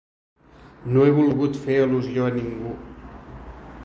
No he volgut fer al·lusió a ningú.